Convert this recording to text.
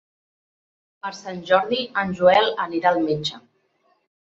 Per Sant Jordi en Joel anirà al metge.